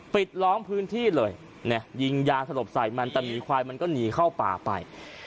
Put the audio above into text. ปิดล้อมพื้นที่เลยยิงยาสลบใส่มันแต่หมีควายมันก็หนีเข้าป่าไป